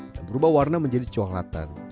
dan berubah warna menjadi coelatan